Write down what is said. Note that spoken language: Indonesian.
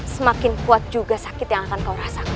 semakin kuat juga sakit yang akan kau rasakan